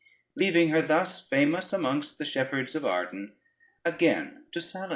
Leaving her thus famous amongst the shepherds of Arden, again to Saladyne.